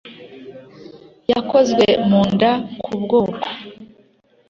yakozwe mu rwanda ku bwoko